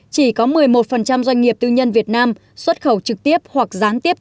chỉ có một mươi một doanh nghiệp tư nhân việt nam xuất khẩu trực tiếp hoặc gián tiếp